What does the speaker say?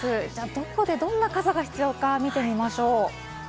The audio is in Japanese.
どこでどんな傘が必要か見てみましょう。